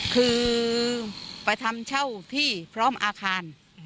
คือไปทำเช่าที่พร้อมอาคาร